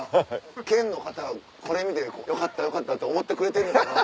県の方これ見て「よかったよかった」って思ってくれてんのかな？